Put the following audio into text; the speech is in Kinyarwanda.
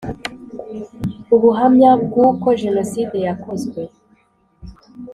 ubuhamya bw uko Jenoside yakozwe